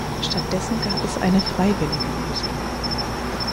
Stattdessen gab es eine freiwillige Lösung.